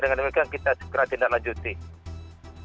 dengan demikian kita segera tindaklanjutkan